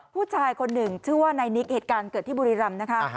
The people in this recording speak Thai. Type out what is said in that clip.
ผู้ชายคนหนึ่งชื่อว่านายนิกเหตุการณ์เกิดที่บุรีรำนะคะ